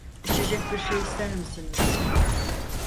İçecek bir şey ister misiniz?